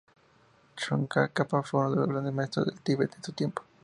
Tsongkhapa fue uno de los grandes maestros del Tíbet de su tiempo.